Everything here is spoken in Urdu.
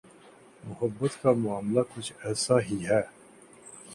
محبت کا معاملہ کچھ ایسا ہی ہے۔